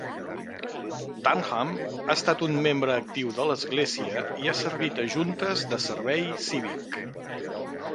Turnham ha estat un membre actiu de l'església i ha servit a juntes de servei cívic.